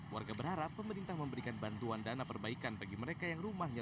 warga berharap pemerintah memberikan bantuan dana perbaikan bagi mereka yang rumahnya